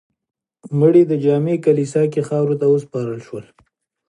مړی یې د جامع کلیسا کې خاورو ته وسپارل شو.